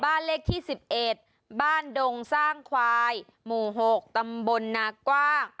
บ้านเลขที่๑๑บ้านดงสร้างควายหมู่๖ตำบลนากว้าง